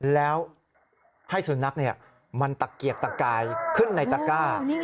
แล้วให้สุนัขมันตะเกียกตะกายขึ้นในตะก้า